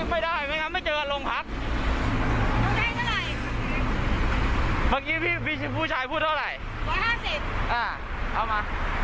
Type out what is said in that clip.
ไม่ได้เจอหลัง๘๐๐บาทเพราะพี่เกิดรังงานนี้แหละ